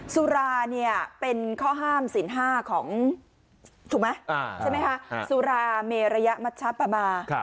สุราเนี่ยเป็นข้อห้ามสินห้าของถูกมั้ยใช่มั้ยครับสุราเมระยะมัชชะปะมา